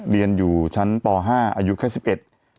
เรียนอยู่ชั้นปห้าอายุแค่สิบเอ็ด